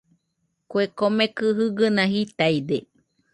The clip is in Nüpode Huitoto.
Kue komekɨ jɨgɨna jitaide.